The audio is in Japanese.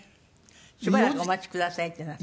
しばらくお待ちくださいってなって。